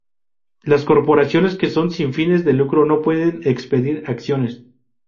Las corporaciones que son sin fines de lucro no pueden expedir acciones.